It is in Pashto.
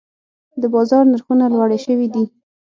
د بازار نرخونه لوړې شوي دي.